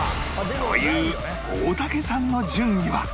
という大竹さんの順位は？